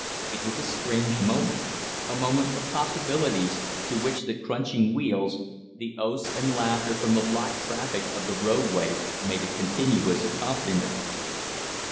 It was a strange moment, a moment of possibilities, to which the crunching wheels, the oaths and laughter from the blocked traffic of the road way, made a continuous accompaniment.